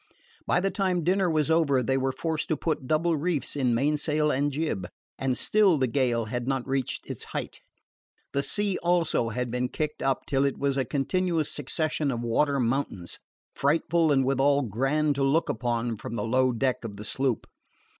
By the time dinner was over they were forced to put double reefs in mainsail and jib, and still the gale had not reached its height. The sea, also, had been kicked up till it was a continuous succession of water mountains, frightful and withal grand to look upon from the low deck of the sloop.